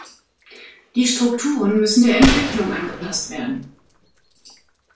Die Strukturen müssen der Entwicklung angepasst werden.